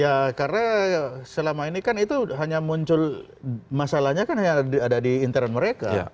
ya karena selama ini kan itu hanya muncul masalahnya kan hanya ada di intern mereka